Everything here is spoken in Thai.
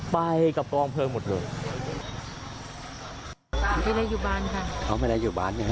ไปกับกล้องเพลิงหมดเลย